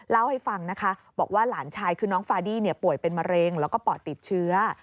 เล่าให้ฟังนะคะบอกว่าหลานชายคือน้องฟาดี้ป่วยเป็นมะเร็งแล้วก็ปอดติดเชื้อ